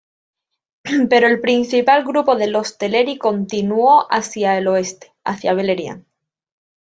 Pero el principal grupo de los Teleri continuó hacia el oeste, hacia Beleriand.